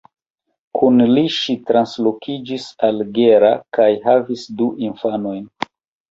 Kun li ŝi translokiĝis al Gera kaj havis du infanojn.